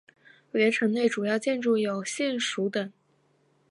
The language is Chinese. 原城内主要建筑有县署等。